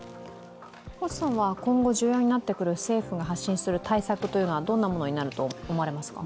今後、重要になってくる政府が発信する対策はどんなものになると思われますか？